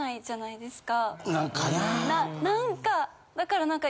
何かだから何か。